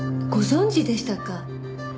ご存じでしたか？